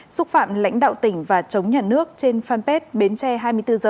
xúc phạm lãnh đạo tỉnh và chống nhà nước trên fanpage bến tre hai mươi bốn h